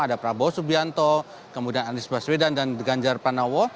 ada prabowo subianto kemudian anies baswedan dan ganjar panawo